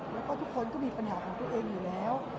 แล้วก็ทุกคนก็มีปัญหาของตัวเองอยู่แล้ว